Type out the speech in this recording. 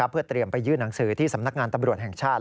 เพื่อเตรียมไปยื่นหนังสือที่สำนักงานตำรวจแห่งชาติ